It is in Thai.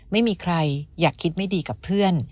ไม่มีใครอยากคิดไม่ดีกับเพื่อน